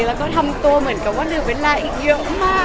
แล้วก็ทำตัวเหมือนกับว่าเหลือเวลาอีกเยอะมาก